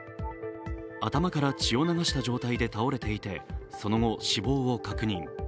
頭から血を流した状態で倒れていて、その後、死亡を確認。